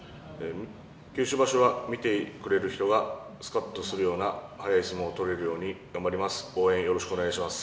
九州場所は見てくれる人がすかっとするような速い相撲取れるように頑張ります。